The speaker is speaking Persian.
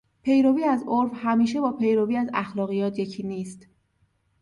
پیروی از عرف همیشه با پیروی از اخلاقیات یکی نیست.